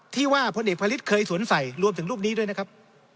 ที่ว่าพลเอกพระฤทธิเคยสวมใส่รวมถึงรูปนี้ด้วยนะครับ